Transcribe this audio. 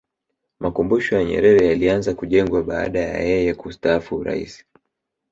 makumbusho ya nyerere yalianza kujengwa baada ya yeye kustaafu urais